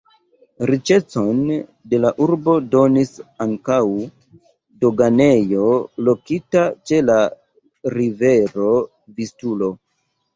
Riĉecon de la urbo donis ankaŭ doganejo lokita ĉe la rivero Vistulo.